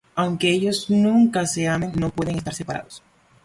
Aunque ellos nunca se amen, no pueden estar separados.